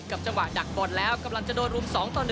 จังหวะดักบอลแล้วกำลังจะโดนรุม๒ต่อ๑